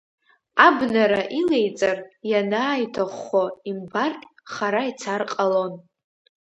Абнара илеиҵар, ианааиҭаххо имбартә, хара ицар ҟалон.